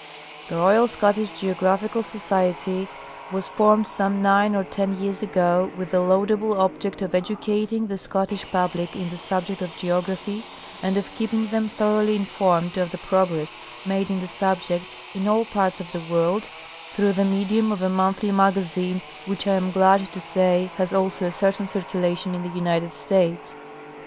The Royal Scottish Geographical Society was formed some nine or ten years ago with the laudable object of educating the Scottish public in the subject of geography and of keeping them thoroughly informed of the progress made in the subject in all parts of the world through the medium of a monthly magazine, which I am glad to say has also a certain circulation in the United States.